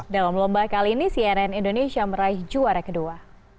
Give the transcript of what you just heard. dalam lomba kali ini cnn indonesia meraih juara kedua